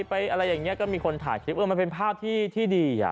มีคนถ่ายคลิปที่มีสิ่งที่มันเป็นภาพที่ดี